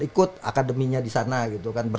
ikut akademinya di sana gitu kan